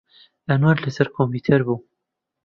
ئەنوەر لەسەر کۆمپیوتەر بوو.